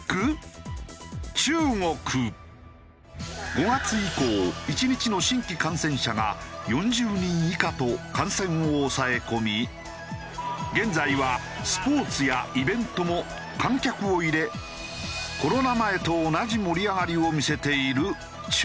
５月以降１日の新規感染者が４０人以下と感染を抑え込み現在はスポーツやイベントも観客を入れコロナ前と同じ盛り上がりを見せている中国。